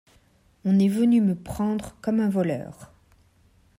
On est venu me prendre comme un voleur.